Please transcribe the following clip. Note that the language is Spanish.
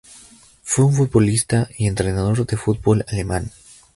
Fue un futbolista y entrenador de fútbol alemán.